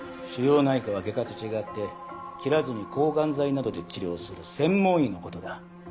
腫瘍内科は外科と違って切らずに抗がん剤などで治療する専門医のことだ。